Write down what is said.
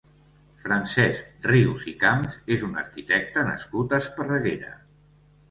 Francesc Rius i Camps és un arquitecte nascut a Esparreguera.